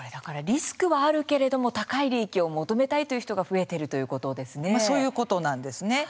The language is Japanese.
リスクはあるけれども高い利益を求めたいという人がそういうことなんですね。